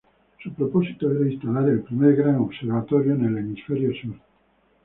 Su propósito era instalar el primer gran observatorio en el hemisferio Sur.